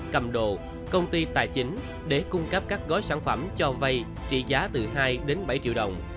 cầm đồ công ty tài chính để cung cấp các gói sản phẩm cho vay trị giá từ hai đến bảy triệu đồng